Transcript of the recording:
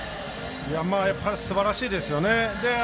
やっぱりすばらしいですよね。